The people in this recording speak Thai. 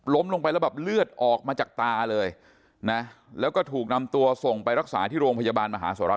ลงไปแล้วแบบเลือดออกมาจากตาเลยนะแล้วก็ถูกนำตัวส่งไปรักษาที่โรงพยาบาลมหาสร